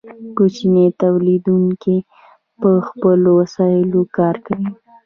کوچني تولیدونکي په خپلو وسایلو کار کوي.